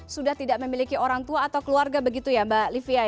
sudah tidak memiliki orang tua atau keluarga begitu ya mbak livia